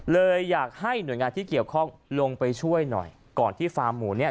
เลยอยากให้หน่วยงานที่เกี่ยวข้องลงไปช่วยหน่อยก่อนที่ฟาร์มหมูเนี่ย